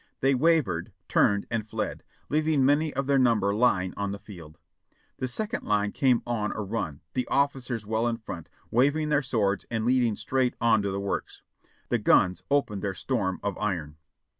They wavered, turned and fled, leaving many of their number lying on the field. "The second line came on a run, the officers well in front, wav ing their swords and leading straight on to the works. The guns opened their storm of iron.